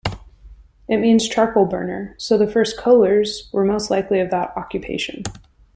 It means, "charcoal burner" so the first "Kohlers" were most likely of that occupation.